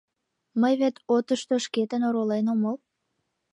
Мый вет отышто шкетын оролен омыл.